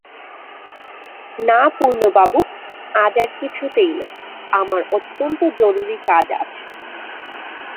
না পূর্ণবাবু, আজ আর কিছুতেই না, আমার অত্যন্ত জরুরি কাজ আছে।